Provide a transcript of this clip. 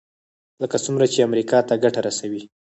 لکه څومره چې امریکا ته ګټه رسوي.